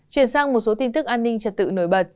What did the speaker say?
chuyển sang một số tin tức an ninh trật tự nổi bật